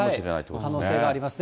可能性がありますね。